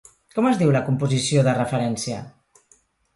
Com es diu la composició de referència?